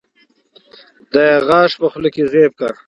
دا يې غاښ په خوله کې زېب کا